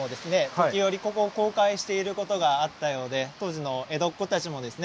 時折ここを公開していることがあったようで当時の江戸っ子たちもですね